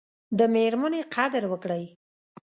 د میرمني قدر وکړئ